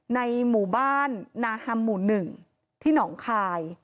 ในหมู่บ้านนาฮัมหมู่๑ที่หนองคาย